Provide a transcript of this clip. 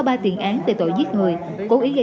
ba tiền án về tội giết người cố ý gây